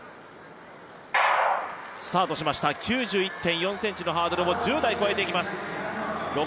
９１．４ｃｍのハードルを１０台越えていきます。